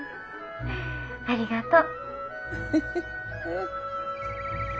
☎ありがとう。